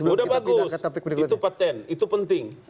udah bagus itu penting